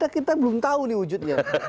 kita belum tahu nih wujudnya